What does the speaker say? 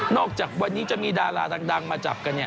จากวันนี้จะมีดาราดังมาจับกันเนี่ย